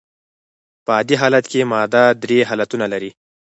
په عادي حالت کي ماده درې حالتونه لري.